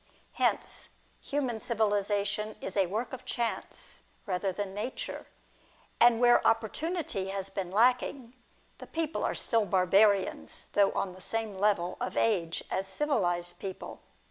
Hence, human civilisation is a work of chance rather THE WAGER OF PROMETHEUS. 55 than nature, and where opportunity has been lacking, the people are still barbarians, though on the same level of age as civilised people.